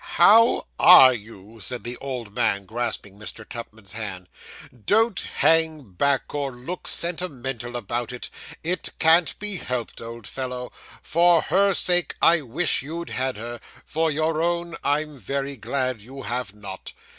'How are you?' said the old man, grasping Mr. Tupman's hand. 'Don't hang back, or look sentimental about it; it can't be helped, old fellow. For her sake, I wish you'd had her; for your own, I'm very glad you have not.